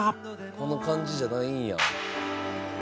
「この感じじゃないんや？」